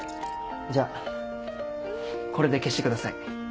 じゃあこれで消してください。